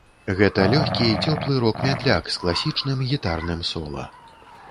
Гэта лёгкі і цёплы рок-мядляк з класічным гітарным сола.